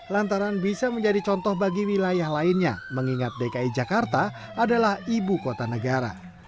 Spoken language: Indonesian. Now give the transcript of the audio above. lantaran bisa menjadi contoh bagi wilayah lainnya mengingat dki jakarta adalah ibu kota negara